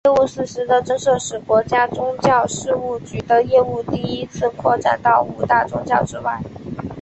业务四司的增设使国家宗教事务局的业务第一次拓展到五大宗教以外。